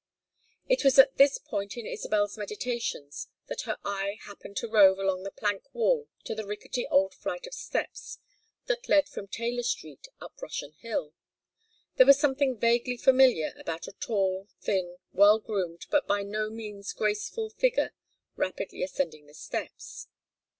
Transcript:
It was at this point in Isabel's meditations that her eye happened to rove along the plank walk to the rickety old flight of steps that led from Taylor Street up Russian Hill. There was something vaguely familiar about a tall, thin, well groomed, but by no means graceful, figure rapidly ascending the steps.